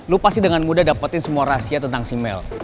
lo pasti dengan mudah dapetin semua rahasia tentang si mel